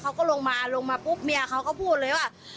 เขาก็ลงมาลงมาปุ๊บเมียเขาก็พูดเลยว่า